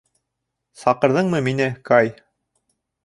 Саҡырҙыңмы мине, Кай?